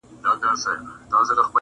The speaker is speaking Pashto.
بې منزله مساپره خیر دي نسته په بېړۍ کي-